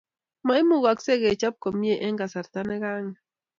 maimugaksei kechop komie eng kasarta nekanget